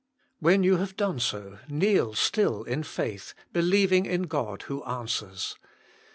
When you have done so, kneel still in faith, believing in God who answers.